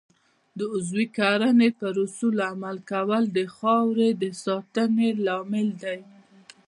د عضوي کرنې پر اصولو عمل کول د خاورې د ساتنې لامل دی.